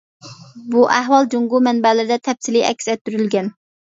بۇ ئەھۋال جۇڭگو مەنبەلىرىدە تەپسىلىي ئەكس ئەتتۈرۈلگەن.